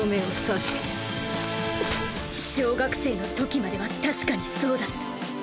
うっ小学生のときまでは確かにそうだった。